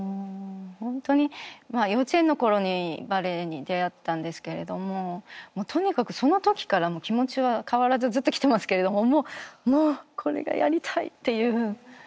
本当に幼稚園の頃にバレエに出会ったんですけれどもとにかくその時から気持ちは変わらずずっと来てますけれどももうこれがやりたいっていう。